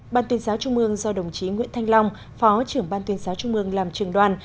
ban tuyên giáo trung mương do đồng chí nguyễn thanh long phó trưởng ban tuyên giáo trung mương làm trường đoàn